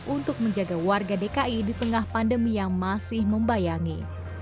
untuk menjaga warga dki di tengah pandemi yang masih membayangi